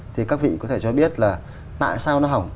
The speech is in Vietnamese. thì các vị có thể cho biết là tại sao nó hỏng